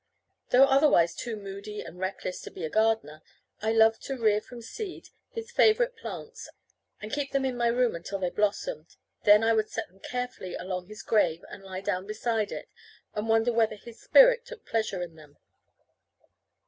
Though otherwise too moody and reckless to be a gardener, I loved to rear from seed his favourite plants, and keep them in my room until they blossomed; then I would set them carefully along his grave, and lie down beside it, and wonder whether his spirit took pleasure in them.